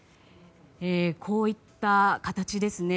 こういった形ですね。